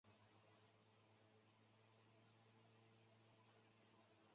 阿拉香槟人口变化图示